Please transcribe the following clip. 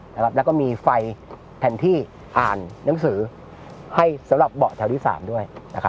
แล้วก็มีไฟแผ่นที่อ่านหนังสือให้สำหรับเบาะแถวที่๓ด้วย